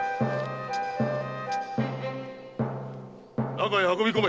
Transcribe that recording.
中へ運び込め。